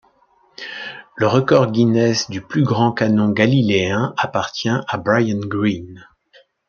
Le record Guinness du plus grand canon galiléen appartient à Brian Greene.